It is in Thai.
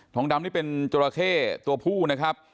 ดำนี่เป็นจราเข้ตัวผู้นะครับ